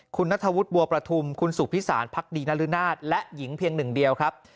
คุณนัทธวุฒิบัวประทุมคุณสุพิสารพักดีนรนาศและหญิงเพียงหนึ่งเดียวครับ